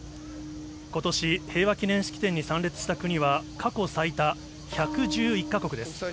ことし、平和記念式典に参列した国は過去最多１１１か国です。